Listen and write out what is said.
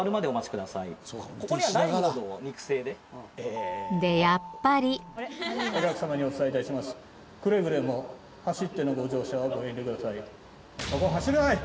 くれぐれも走ってのご乗車はご遠慮ください。